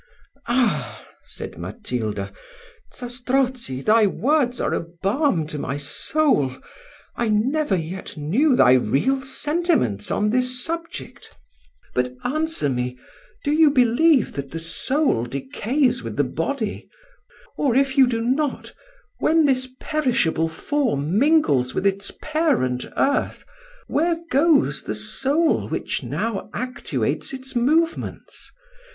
"Ah!" said Matilda, "Zastrozzi, thy words are a balm to my soul, I never yet knew thy real sentiments on this subject; but answer me, do you believe that the soul decays with the body, or if you do not, when this perishable form mingles with its parent earth, where goes the soul which now actuates its movements?